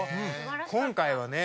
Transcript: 今回はね